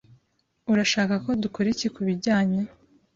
Urashaka ko dukora iki kubijyanye?